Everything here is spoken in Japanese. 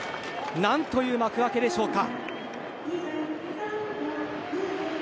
何という幕開けでしょうか。